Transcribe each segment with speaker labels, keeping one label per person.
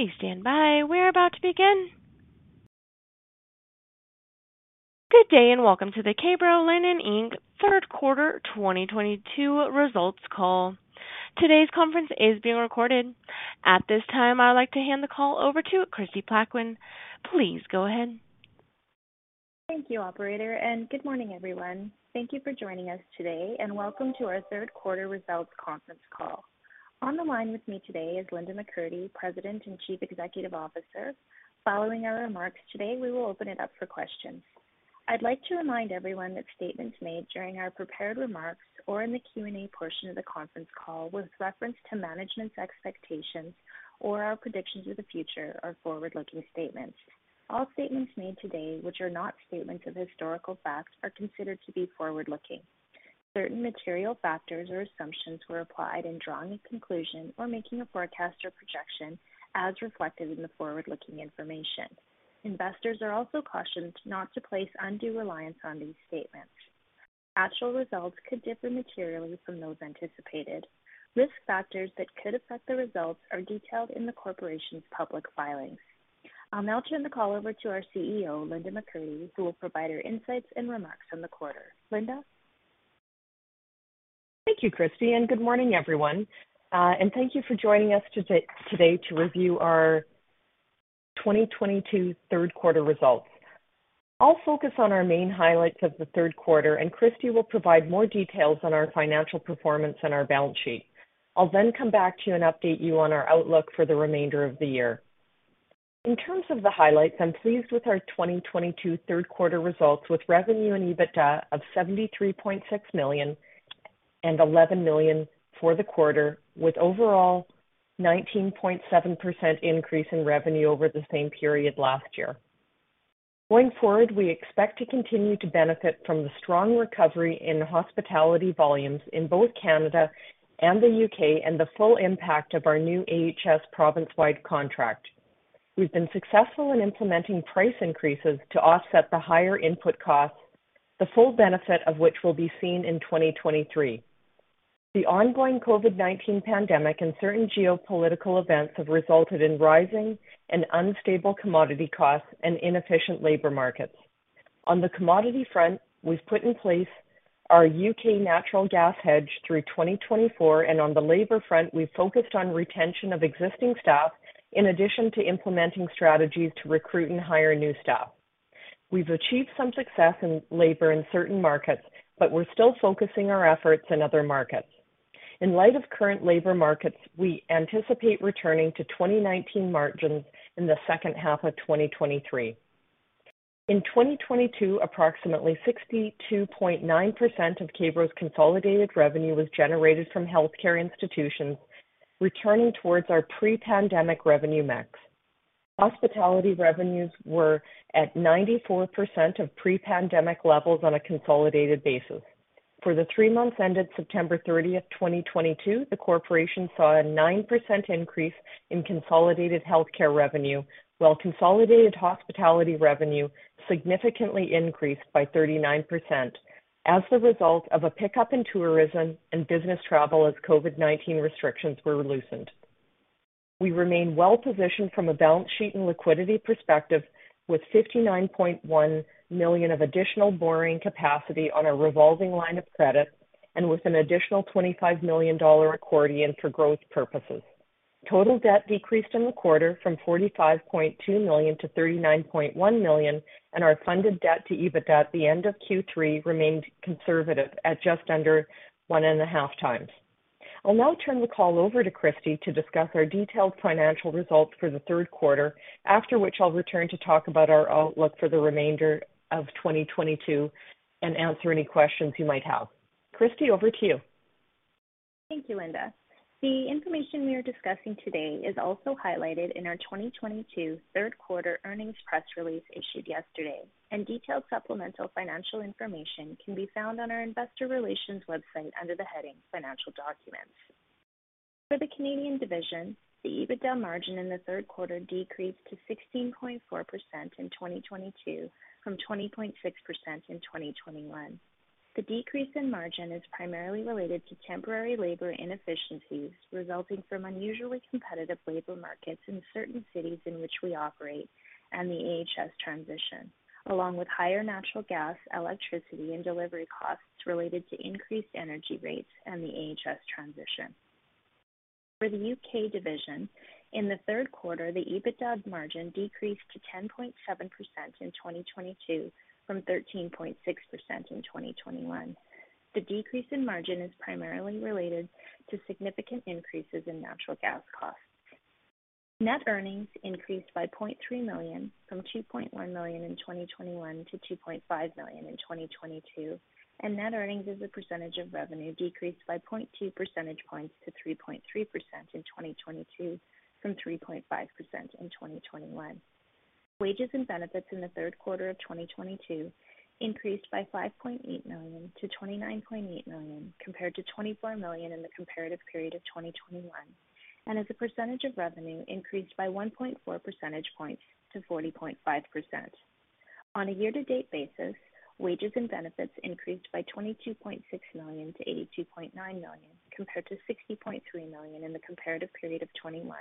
Speaker 1: Please stand by. We're about to begin. Good day, and welcome to the K-Bro Linen Inc third quarter 2022 results call. Today's conference is being recorded. At this time, I'd like to hand the call over to Kristie Plaquin. Please go ahead.
Speaker 2: Thank you, operator, and good morning, everyone. Thank you for joining us today and welcome to our third quarter results conference call. On the line with me today is Linda McCurdy, President and Chief Executive Officer. Following our remarks today, we will open it up for questions. I'd like to remind everyone that statements made during our prepared remarks or in the Q&A portion of the conference call with reference to management's expectations or our predictions of the future are forward-looking statements. All statements made today, which are not statements of historical fact, are considered to be forward-looking. Certain material factors or assumptions were applied in drawing a conclusion or making a forecast or projection as reflected in the forward-looking information. Investors are also cautioned not to place undue reliance on these statements. Actual results could differ materially from those anticipated. Risk factors that could affect the results are detailed in the corporation's public filings. I'll now turn the call over to our CEO, Linda McCurdy, who will provide her insights and remarks on the quarter. Linda?
Speaker 3: Thank you, Kristie, and good morning, everyone. And thank you for joining us today to review our 2022 third quarter results. I'll focus on our main highlights of the third quarter, and Kristie will provide more details on our financial performance and our balance sheet. I'll then come back to you and update you on our outlook for the remainder of the year. In terms of the highlights, I'm pleased with our 2022 third quarter results, with revenue and EBITDA of 73.6 million and 11 million for the quarter, with overall 19.7% increase in revenue over the same period last year. Going forward, we expect to continue to benefit from the strong recovery in hospitality volumes in both Canada and the U.K. and the full impact of our new AHS province-wide contract. We've been successful in implementing price increases to offset the higher input costs, the full benefit of which will be seen in 2023. The ongoing COVID-19 pandemic and certain geopolitical events have resulted in rising and unstable commodity costs and inefficient labor markets. On the commodity front, we've put in place our U.K. natural gas hedge through 2024, and on the labor front, we've focused on retention of existing staff in addition to implementing strategies to recruit and hire new staff. We've achieved some success in labor in certain markets, but we're still focusing our efforts in other markets. In light of current labor markets, we anticipate returning to 2019 margins in the second half of 2023. In 2022, approximately 62.9% of K-Bro's consolidated revenue was generated from healthcare institutions, returning towards our pre-pandemic revenue mix. Hospitality revenues were at 94% of pre-pandemic levels on a consolidated basis. For the three months ended September 30th, 2022, the corporation saw a 9% increase in consolidated healthcare revenue, while consolidated hospitality revenue significantly increased by 39% as the result of a pickup in tourism and business travel as COVID-19 restrictions were loosened. We remain well positioned from a balance sheet and liquidity perspective with 59.1 million of additional borrowing capacity on our revolving line of credit and with an additional 25 million-dollar accordion for growth purposes. Total debt decreased in the quarter from 45.2 million to 39.1 million, and our funded debt to EBITDA at the end of Q3 remained conservative at just under 1.5x. I'll now turn the call over to Kristie to discuss our detailed financial results for the third quarter, after which I'll return to talk about our outlook for the remainder of 2022 and answer any questions you might have. Kristie, over to you.
Speaker 2: Thank you, Linda. The information we are discussing today is also highlighted in our 2022 third quarter earnings press release issued yesterday, and detailed supplemental financial information can be found on our investor relations website under the heading Financial Documents. For the Canadian division, the EBITDA margin in the third quarter decreased to 16.4% in 2022 from 20.6% in 2021. The decrease in margin is primarily related to temporary labor inefficiencies resulting from unusually competitive labor markets in certain cities in which we operate and the AHS transition, along with higher natural gas, electricity, and delivery costs related to increased energy rates and the AHS transition. For the U.K. division, in the third quarter, the EBITDA margin decreased to 10.7% in 2022 from 13.6% in 2021. The decrease in margin is primarily related to significant increases in natural gas costs. Net earnings increased by 0.3 million from 2.1 million in 2021 to 2.5 million in 2022, and net earnings as a percentage of revenue decreased by 0.2 percentage points to 3.3% in 2022 from 3.5% in 2021. Wages and benefits in the third quarter of 2022 increased by 5.8 million to 29.8 million compared to 24 million in the comparative period of 2021, and as a percentage of revenue increased by 1.4 percentage points to 40.5%. On a year-to-date basis, wages and benefits increased by 22.6 million to 82.9 million compared to 60.3 million in the comparative period of 2021,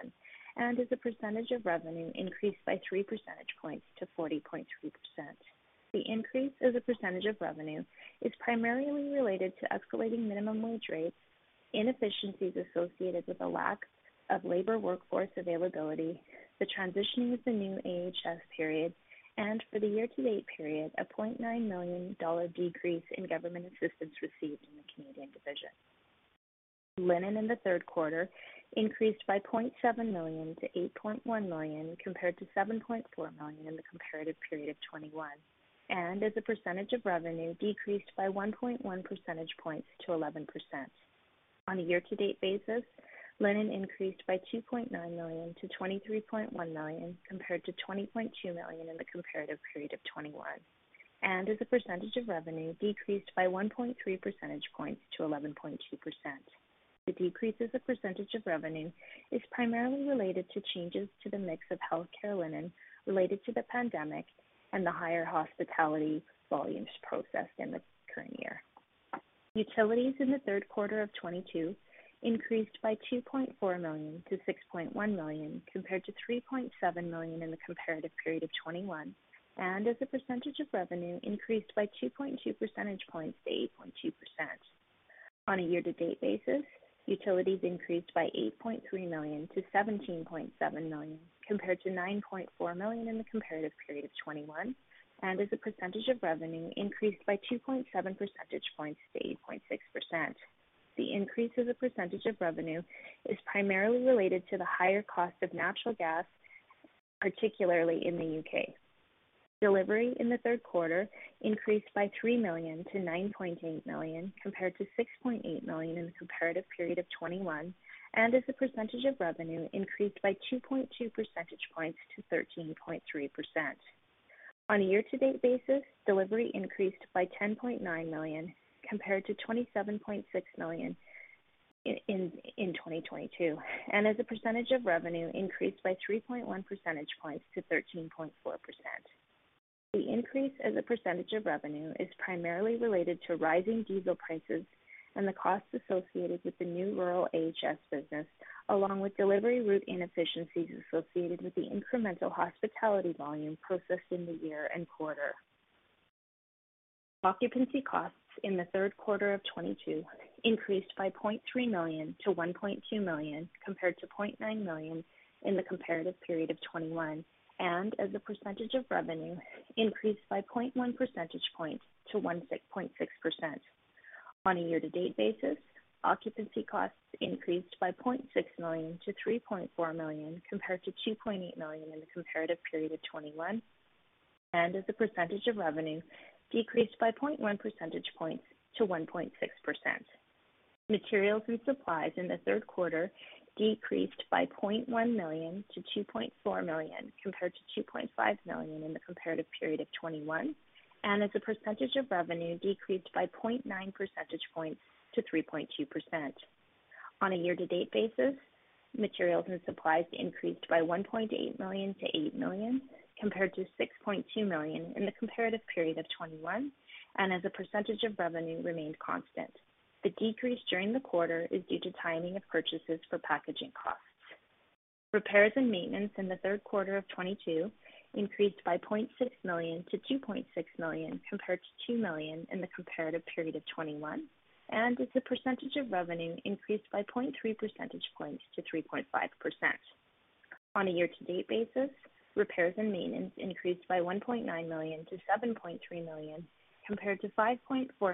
Speaker 2: and as a percentage of revenue increased by 3 percentage points to 40.3%. The increase as a percentage of revenue is primarily related to escalating minimum wage rates, inefficiencies associated with the lack of labor workforce availability, the transitioning of the new AHS period, and for the year-to-date period, a 0.9 million dollar decrease in government assistance received in the Canadian division. Linen in the third quarter increased by 0.7 million to 8.1 million compared to 7.4 million in the comparative period of 2021, and as a percentage of revenue decreased by 1.1 percentage points to 11%. On a year-to-date basis, linen increased by 2.9 million to 23.1 million compared to 20.2 million in the comparative period of 2021, and as a percentage of revenue decreased by 1.3 percentage points to 11.2%. The decrease as a percentage of revenue is primarily related to changes to the mix of healthcare linen related to the pandemic and the higher hospitality volumes processed in the current year. Utilities in the third quarter of 2022 increased by 2.4 million to 6.1 million compared to 3.7 million in the comparative period of 2021, and as a percentage of revenue increased by 2.2 percentage points to 8.2%. On a year-to-date basis, utilities increased by 8.3 million to 17.7 million compared to 9.4 million in the comparative period of 2021, and as a percentage of revenue increased by 2.7 percentage points to 8.6%. The increase as a percentage of revenue is primarily related to the higher cost of natural gas, particularly in the U.K. Delivery in the third quarter increased by 3 million to 9.8 million compared to 6.8 million in the comparative period of 2021, and as a percentage of revenue increased by 2.2 percentage points to 13.3%. On a year-to-date basis, delivery increased by 10.9 million compared to 27.6 million in 2022, and as a percentage of revenue increased by 3.1 percentage points to 13.4%. The increase as a percentage of revenue is primarily related to rising diesel prices and the costs associated with the new rural AHS business, along with delivery route inefficiencies associated with the incremental hospitality volume processed in the year and quarter. Occupancy costs in the third quarter of 2022 increased by 0.3 million to 1.2 million compared to 0.9 million in the comparative period of 2021, and as a percentage of revenue increased by 0.1 percentage points to 1.6%. On a year-to-date basis, occupancy costs increased by 0.6 million to 3.4 million compared to 2.8 million in the comparative period of 2021, and as a percentage of revenue decreased by 0.1 percentage points to 1.6%. Materials and supplies in the third quarter decreased by 0.1 million to 2.4 million compared to 2.5 million in the comparative period of 2021, and as a percentage of revenue decreased by 0.9 percentage points to 3.2%. On a year-to-date basis, materials and supplies increased by 1.8 million to 8 million compared to 6.2 million in the comparative period of 2021, and as a percentage of revenue remained constant. The decrease during the quarter is due to timing of purchases for packaging costs. Repairs and maintenance in the third quarter of 2022 increased by 0.6 million to 2.6 million compared to 2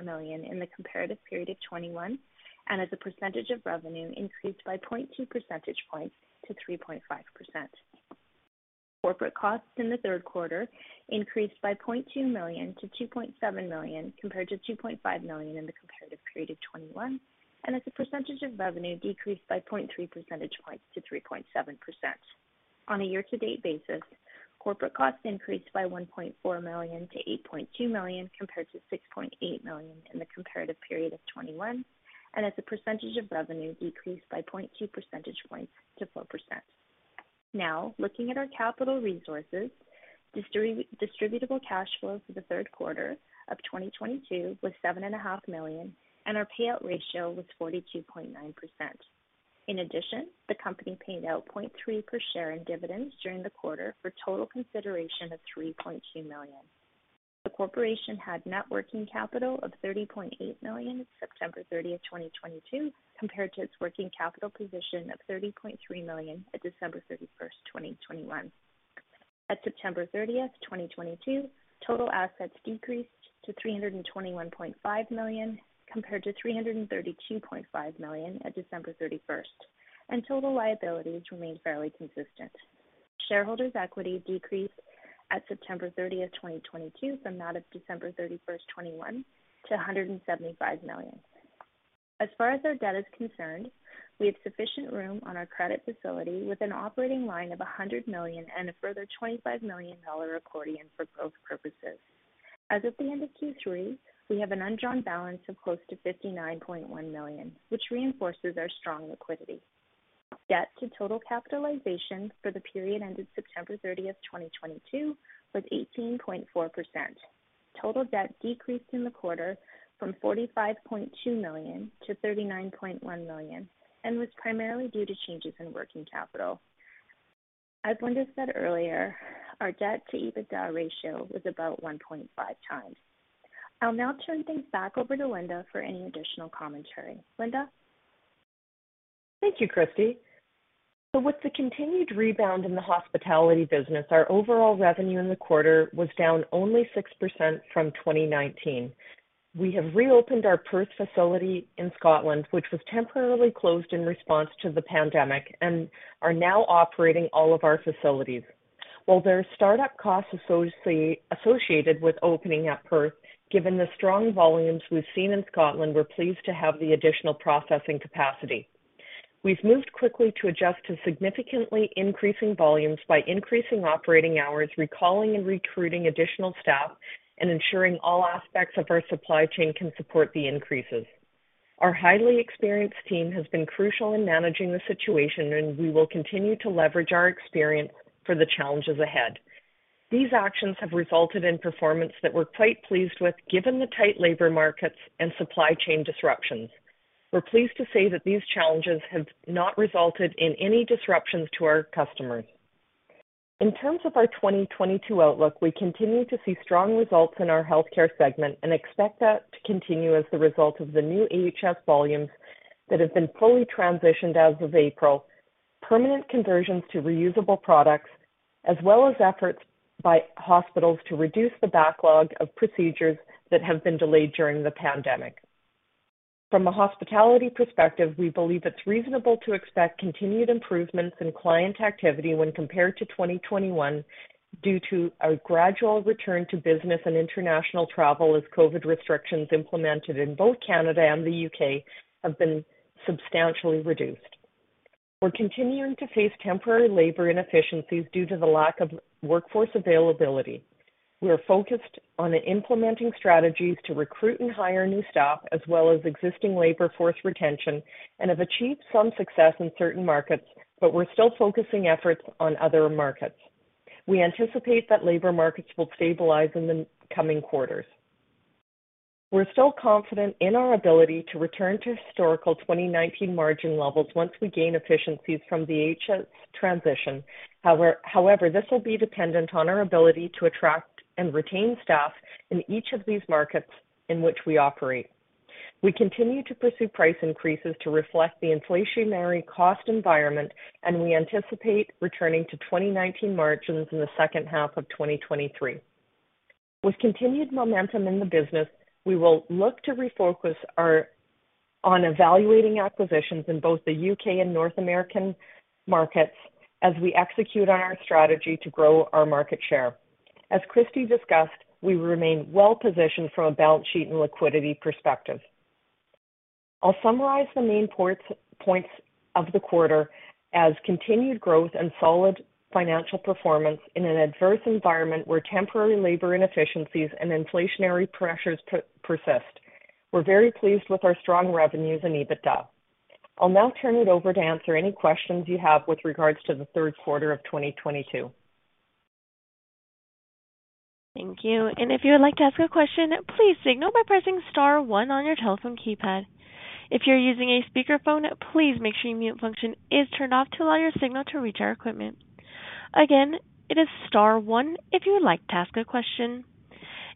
Speaker 2: million in the comparative period of 2021, and as a percentage of revenue increased by 0.3 percentage points to 3.5%. On a year-to-date basis, repairs and maintenance increased by 1.9 million to 7.3 million compared to 5.4 million in the comparative period of 2021, and as a percentage of revenue increased by 0.2 percentage points to 3.5%. Corporate costs in the third quarter increased by 0.2 million-2.7 million compared to 2.5 million in the comparative period of 2021, and as a percentage of revenue decreased by 0.3 percentage points to 3.7%. On a year-to-date basis, corporate costs increased by 1.4 million-8.2 million compared to 6.8 million in the comparative period of 2021, and as a percentage of revenue decreased by 0.2 percentage points to 4%. Now, looking at our capital resources, distributable cash flow for the third quarter of 2022 was 7.5 million, and our payout ratio was 42.9%. In addition, the company paid out 0.3 per share in dividends during the quarter for total consideration of 3.2 million. The corporation had net working capital of 30.8 million at September 30, 2022, compared to its working capital position of 30.3 million at December 31st, 2021. At September 30th, 2022, total assets decreased to 321.5 million compared to 332.5 million at December 31st, and total liabilities remained fairly consistent. Shareholders' equity decreased at September 30th, 2022, from that of December 31st, 2021 to 175 million. As far as our debt is concerned, we have sufficient room on our credit facility with an operating line of 100 million and a further 25 million-dollar accordion for growth purposes. As at the end of Q3, we have an undrawn balance of close to 59.1 million, which reinforces our strong liquidity. Debt to total capitalization for the period ended September 30th, 2022 was 18.4%. Total debt decreased in the quarter from 45.2 million-39.1 million and was primarily due to changes in working capital. As Linda said earlier, our debt to EBITDA ratio was about 1.5x. I'll now turn things back over to Linda for any additional commentary. Linda?
Speaker 3: Thank you, Kristie. With the continued rebound in the hospitality business, our overall revenue in the quarter was down only 6% from 2019. We have reopened our Perth facility in Scotland, which was temporarily closed in response to the pandemic, and are now operating all of our facilities. While there is startup costs associated with opening at Perth, given the strong volumes we've seen in Scotland, we're pleased to have the additional processing capacity. We've moved quickly to adjust to significantly increasing volumes by increasing operating hours, recalling and recruiting additional staff, and ensuring all aspects of our supply chain can support the increases. Our highly experienced team has been crucial in managing the situation, and we will continue to leverage our experience for the challenges ahead. These actions have resulted in performance that we're quite pleased with, given the tight labor markets and supply chain disruptions. We're pleased to say that these challenges have not resulted in any disruptions to our customers. In terms of our 2022 outlook, we continue to see strong results in our healthcare segment and expect that to continue as a result of the new AHS volumes that have been fully transitioned as of April, permanent conversions to reusable products, as well as efforts by hospitals to reduce the backlog of procedures that have been delayed during the pandemic. From a hospitality perspective, we believe it's reasonable to expect continued improvements in client activity when compared to 2021 due to a gradual return to business and international travel as COVID restrictions implemented in both Canada and the U.K. have been substantially reduced. We're continuing to face temporary labor inefficiencies due to the lack of workforce availability.
Speaker 4: We are focused on implementing strategies to recruit and hire new staff as well as existing labor force retention, and have achieved some success in certain markets, but we're still focusing efforts on other markets. We anticipate that labor markets will stabilize in the coming quarters. We're still confident in our ability to return to historical 2019 margin levels once we gain efficiencies from the AHS transition. However, this will be dependent on our ability to attract and retain staff in each of these markets in which we operate. We continue to pursue price increases to reflect the inflationary cost environment, and we anticipate returning to 2019 margins in the second half of 2023.
Speaker 3: With continued momentum in the business, we will look to refocus our on evaluating acquisitions in both the U.K. and North American markets as we execute on our strategy to grow our market share. As Kristie discussed, we remain well positioned from a balance sheet and liquidity perspective. I'll summarize the main points of the quarter as continued growth and solid financial performance in an adverse environment where temporary labor inefficiencies and inflationary pressures persist. We're very pleased with our strong revenues and EBITDA. I'll now turn it over to answer any questions you have with regards to the third quarter of 2022.
Speaker 1: Thank you. If you would like to ask a question, please signal by pressing star one on your telephone keypad. If you're using a speakerphone, please make sure your mute function is turned off to allow your signal to reach our equipment. Again, it is star one if you would like to ask a question.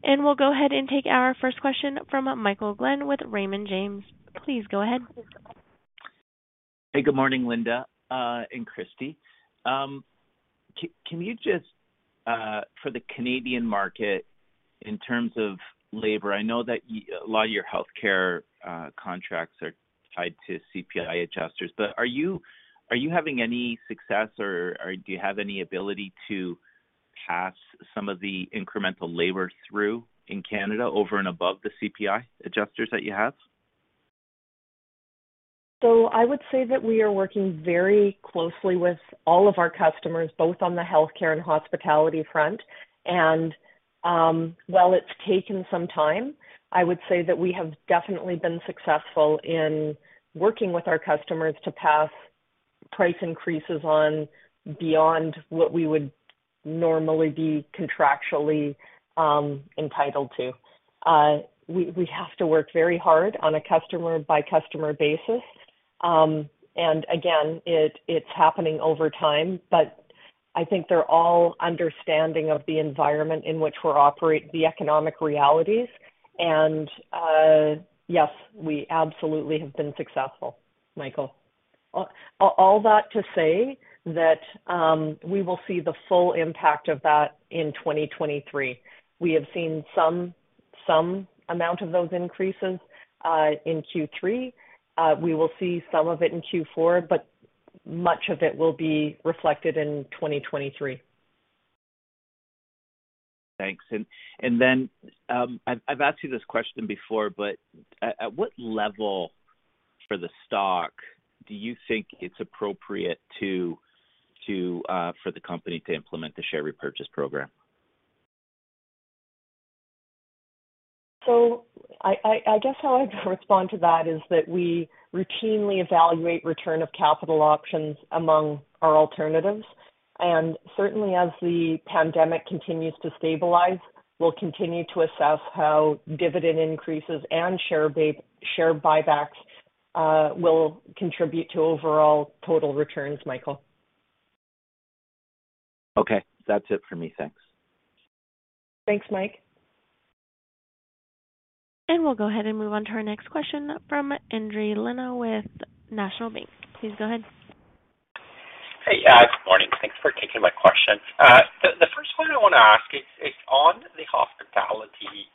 Speaker 1: We'll go ahead and take our first question from Michael Glen with Raymond James. Please go ahead.
Speaker 5: Hey, good morning, Linda, and Kristie. Can you just, for the Canadian market in terms of labor, I know that a lot of your healthcare contracts are tied to CPI adjusters, but are you having any success or do you have any ability to pass some of the incremental labor through in Canada over and above the CPI adjusters that you have?
Speaker 3: I would say that we are working very closely with all of our customers, both on the healthcare and hospitality front. While it's taken some time, I would say that we have definitely been successful in working with our customers to pass price increases on beyond what we would normally be contractually entitled to. We have to work very hard on a customer-by-customer basis. Again, it's happening over time, but I think they're all understanding of the environment in which we're operating in the economic realities. Yes, we absolutely have been successful, Michael. All that to say that we will see the full impact of that in 2023. We have seen some amount of those increases in Q3. We will see some of it in Q4, but much of it will be reflected in 2023.
Speaker 5: Thanks. Then, I've asked you this question before, but at what level for the stock do you think it's appropriate to for the company to implement the share repurchase program?
Speaker 3: I guess how I'd respond to that is that we routinely evaluate return of capital options among our alternatives. Certainly as the pandemic continues to stabilize, we'll continue to assess how dividend increases and share buybacks will contribute to overall total returns, Michael.
Speaker 5: Okay. That's it for me. Thanks.
Speaker 3: Thanks, Mike.
Speaker 1: We'll go ahead and move on to our next question from André Léger with National Bank. Please go ahead.
Speaker 6: Hey, good morning. Thanks for taking my question. The first one I want to ask is on the hospitality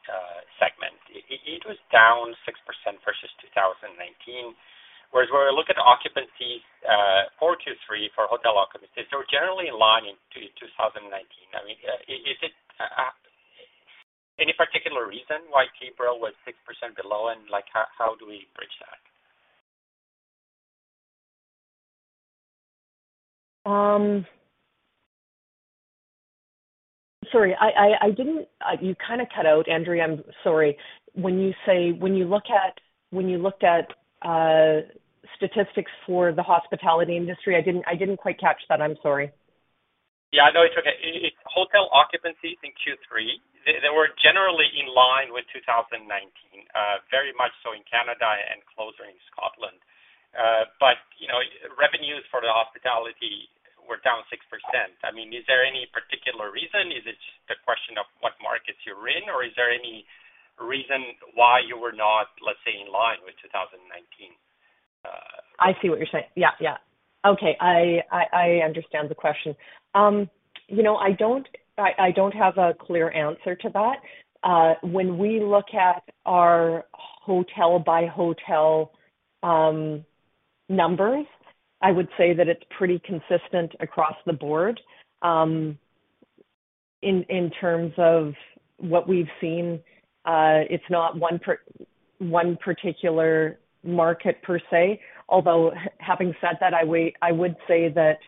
Speaker 6: segment. It was down 6% versus 2019, whereas when we look at occupancies, 42.3% for hotel occupancies, they were generally in line in 2019. I mean, is it any particular reason why KBL was 6% below? And, like, how do we bridge that?
Speaker 3: Sorry, I didn't. You kind of cut out, André. I'm sorry. When you looked at statistics for the hospitality industry, I didn't quite catch that. I'm sorry.
Speaker 6: Yeah, I know. It's okay. It's hotel occupancies in Q3. They were generally in line with 2019. Very much so in Canada and closer in Scotland. But you know, revenues for the hospitality were down 6%. I mean, is there any particular reason? Is it just a question of what markets you're in? Or is there any reason why you were not, let's say, in line with 2019?
Speaker 3: I see what you're saying. Yeah. Yeah. Okay. I understand the question. You know, I don't have a clear answer to that. When we look at our hotel by hotel numbers, I would say that it's pretty consistent across the board. In terms of what we've seen, it's not one particular market per se. Although having said that, I would say that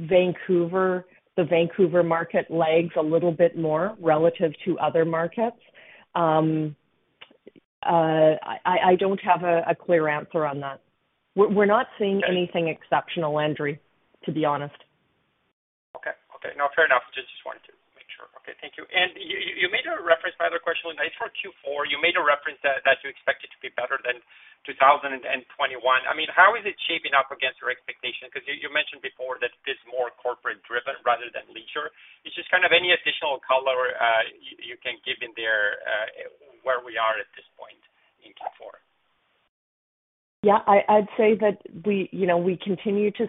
Speaker 3: Vancouver, the Vancouver market lags a little bit more relative to other markets. I don't have a clear answer on that. We're not seeing anything exceptional, André, to be honest.
Speaker 6: Okay. No, fair enough. Just wanted to make sure. Okay. Thank you. You made a reference. My other question, for Q4, you made a reference that you expect it to be better than 2021. I mean, how is it shaping up against your expectation? Because you mentioned before that it is more corporate driven rather than leisure. It's just kind of any additional color you can give in there, where we are at this point in Q4.
Speaker 3: Yeah, I'd say that we, you know, we continue to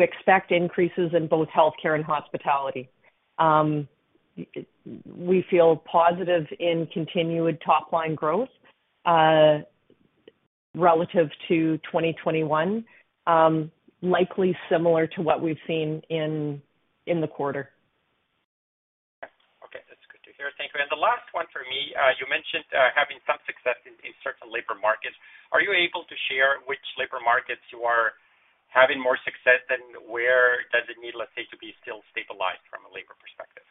Speaker 3: expect increases in both healthcare and hospitality. We feel positive in continued top-line growth, relative to 2021, likely similar to what we've seen in the quarter.
Speaker 6: Okay. That's good to hear. Thank you. The last one for me. You mentioned having some success in certain labor markets. Are you able to share which labor markets you are having more success than where does it need, let's say, to be still stabilized from a labor perspective?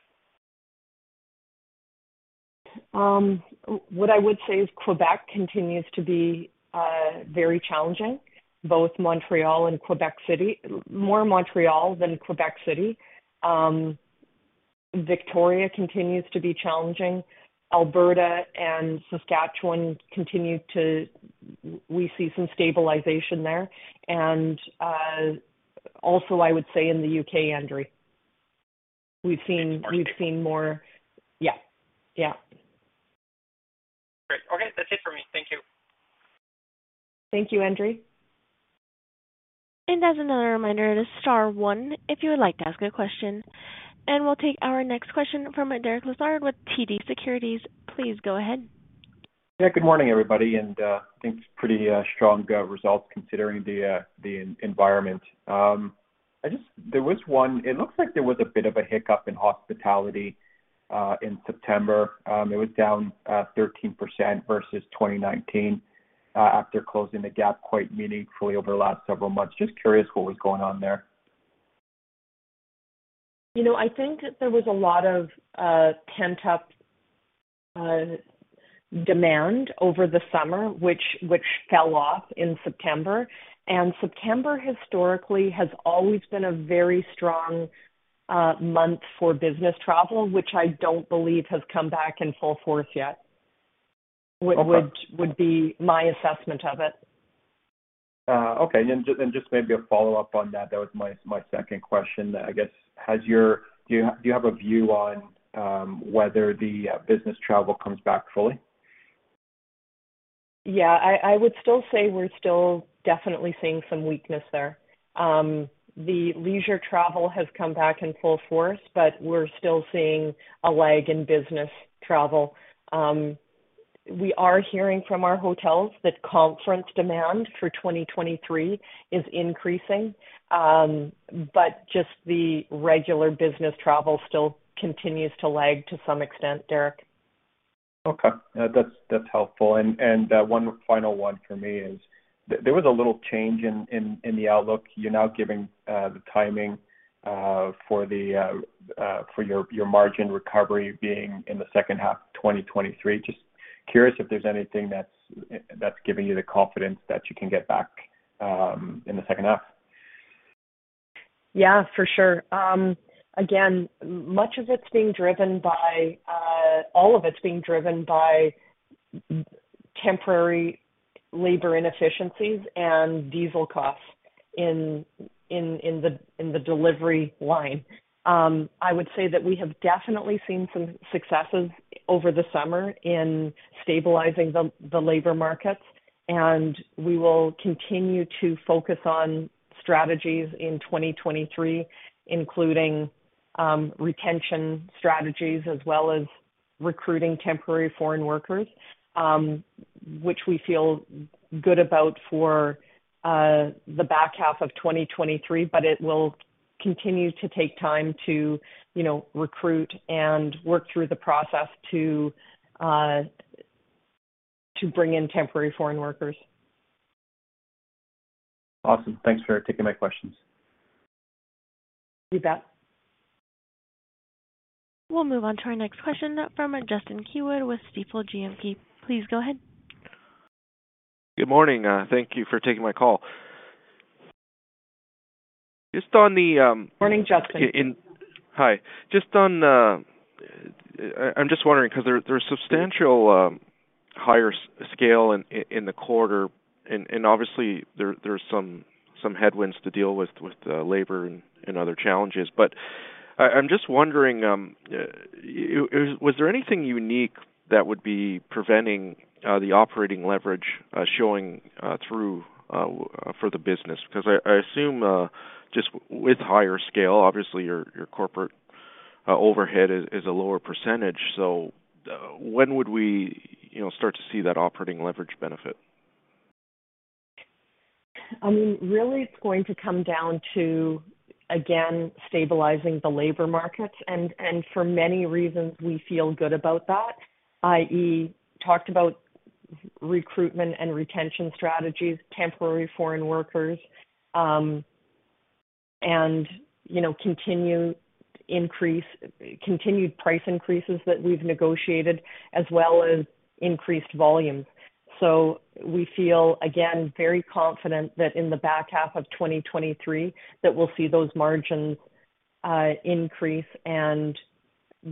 Speaker 3: What I would say is Québec continues to be very challenging, both Montréal and Québec City, more Montréal than Québec City. Victoria continues to be challenging. Alberta and Saskatchewan continue to. We see some stabilization there. Also I would say in the U.K., André, we've seen more. Yeah.
Speaker 6: Great. Okay, that's it for me. Thank you.
Speaker 3: Thank you, André.
Speaker 1: As another reminder, star one if you would like to ask a question. We'll take our next question from Derek Lessard with TD Securities. Please go ahead.
Speaker 4: Yeah, good morning, everybody, and I think it's pretty strong results considering the environment. It looks like there was a bit of a hiccup in hospitality in September. It was down 13% versus 2019 after closing the gap quite meaningfully over the last several months. Just curious what was going on there.
Speaker 3: You know, I think there was a lot of pent up demand over the summer, which fell off in September. September historically has always been a very strong month for business travel, which I don't believe has come back in full force yet.
Speaker 4: Okay.
Speaker 3: Would be my assessment of it.
Speaker 4: Just maybe a follow-up on that. That was my second question, I guess. Do you have a view on whether the business travel comes back fully?
Speaker 3: Yeah, I would still say we're still definitely seeing some weakness there. The leisure travel has come back in full force, but we're still seeing a lag in business travel. We are hearing from our hotels that conference demand for 2023 is increasing, but just the regular business travel still continues to lag to some extent, Derek.
Speaker 4: Okay. That's helpful. One final one for me is there was a little change in the outlook. You're now giving the timing for your margin recovery being in the second half of 2023. Just curious if there's anything that's giving you the confidence that you can get back in the second half.
Speaker 3: Yeah, for sure. Again, much of it's being driven by all of it's being driven by temporary labor inefficiencies and diesel costs in the delivery line. I would say that we have definitely seen some successes over the summer in stabilizing the labor markets, and we will continue to focus on strategies in 2023, including retention strategies as well as recruiting temporary foreign workers, which we feel good about for the back half of 2023, but it will continue to take time to, you know, recruit and work through the process to bring in temporary foreign workers.
Speaker 4: Awesome. Thanks for taking my questions.
Speaker 3: You bet.
Speaker 1: We'll move on to our next question from Justin Keywood with Stifel GMP. Please go ahead.
Speaker 7: Good morning. Thank you for taking my call. Just on the,
Speaker 3: Morning, Justin.
Speaker 7: Hi. Just on, I'm just wondering, 'cause there's substantial higher scale in the quarter, and obviously there's some headwinds to deal with labor and other challenges. But I'm just wondering, is there anything unique that would be preventing the operating leverage showing through for the business? Because I assume just with higher scale, obviously your corporate overhead is a lower percentage. So when would we, you know, start to see that operating leverage benefit?
Speaker 3: I mean, really, it's going to come down to, again, stabilizing the labor markets. For many reasons, we feel good about that, i.e., talked about recruitment and retention strategies, temporary foreign workers, and, you know, continued price increases that we've negotiated, as well as increased volumes. We feel, again, very confident that in the back half of 2023 that we'll see those margins increase and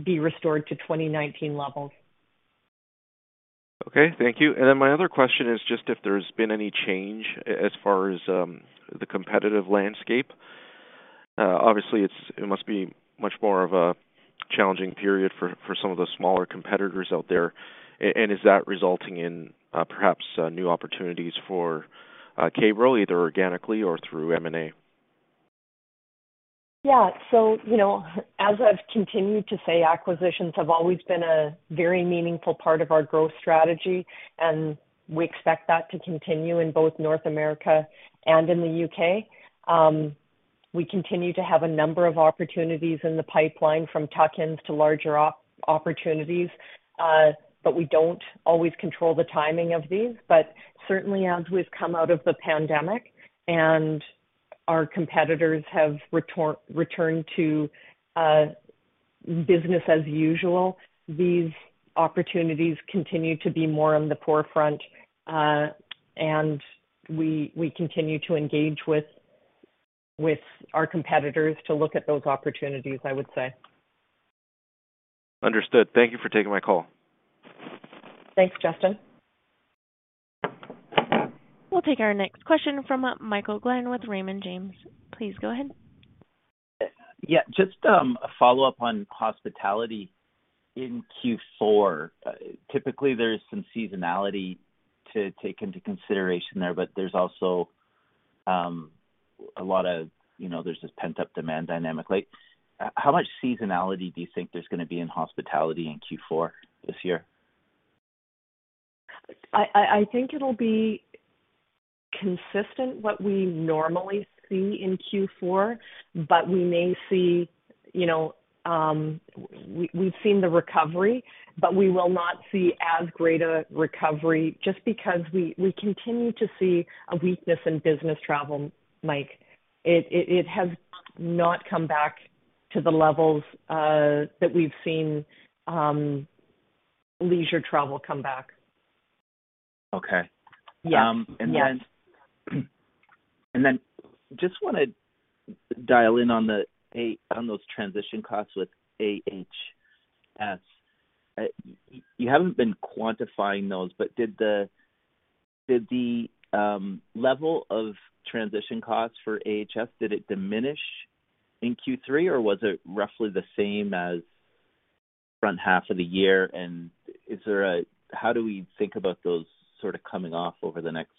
Speaker 3: be restored to 2019 levels.
Speaker 7: Okay. Thank you. My other question is just if there's been any change as far as the competitive landscape. Obviously it must be much more of a challenging period for some of the smaller competitors out there. Is that resulting in, perhaps, new opportunities for K-Bro, either organically or through M&A?
Speaker 3: Yeah. You know, as I've continued to say, acquisitions have always been a very meaningful part of our growth strategy, and we expect that to continue in both North America and in the U.K. We continue to have a number of opportunities in the pipeline, from tuck-ins to larger opportunities, but we don't always control the timing of these. Certainly as we've come out of the pandemic and our competitors have returned to business as usual, these opportunities continue to be more on the forefront, and we continue to engage with our competitors to look at those opportunities, I would say.
Speaker 7: Understood. Thank you for taking my call.
Speaker 3: Thanks, Justin.
Speaker 1: We'll take our next question from, Michael Glen with Raymond James. Please go ahead.
Speaker 5: Yeah. Just, a follow-up on hospitality in Q4. Typically there's some seasonality to take into consideration there, but there's also, a lot of, you know, there's this pent-up demand dynamic. Like, how much seasonality do you think there's gonna be in hospitality in Q4 this year?
Speaker 3: I think it'll be consistent what we normally see in Q4, but we may see, you know, we've seen the recovery, but we will not see as great a recovery just because we continue to see a weakness in business travel, Mike. It has not come back to the levels that we've seen leisure travel come back.
Speaker 5: Okay.
Speaker 3: Yeah. Yeah.
Speaker 5: Just want to dial in on those transition costs with AHS. You haven't been quantifying those, but did the level of transition costs for AHS diminish in Q3 or was it roughly the same as front half of the year? How do we think about those sorts of coming off over the next,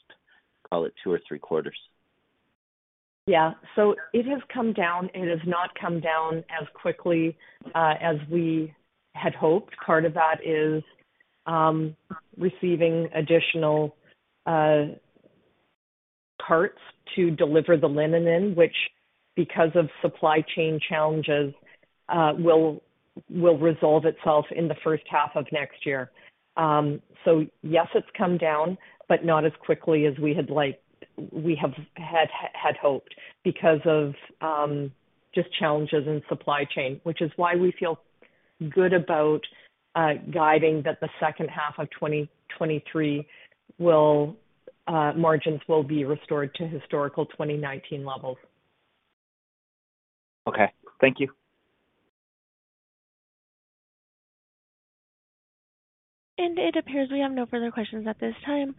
Speaker 5: call it two or three quarters?
Speaker 3: Yeah. It has come down. It has not come down as quickly as we had hoped. Part of that is receiving additional parts to deliver the linen in which, because of supply chain challenges, will resolve itself in the first half of next year. Yes, it's come down, but not as quickly as we had hoped because of just challenges in supply chain, which is why we feel good about guiding that the second half of 2023, margins will be restored to historical 2019 levels.
Speaker 5: Okay. Thank you.
Speaker 1: It appears we have no further questions at this time.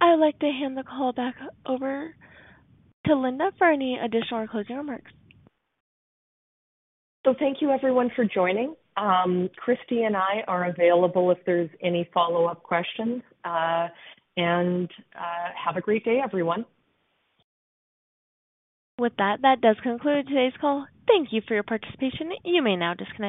Speaker 1: I'd like to hand the call back over to Linda for any additional or closing remarks.
Speaker 3: Thank you everyone for joining. Kristie and I are available if there's any follow-up questions. Have a great day, everyone.
Speaker 1: With that does conclude today's call. Thank you for your participation. You may now disconnect.